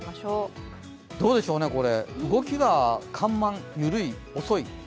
どうでしょうね、動きは緩慢、緩い、遅い。